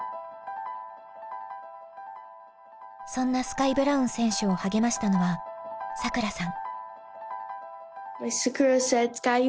そんなスカイ・ブラウン選手を励ましたのはさくらさん。